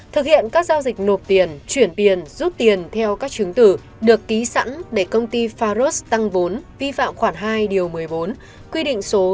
thực hiện các giao dịch nộp tiền chuyển tiền rút tiền theo các chứng từ được ký sẵn để công ty pharos tăng vốn vi phạm khoảng hai điều một mươi bốn